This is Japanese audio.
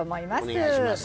お願いします。